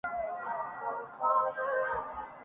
اپنے زخموں کی بد مزاجی میں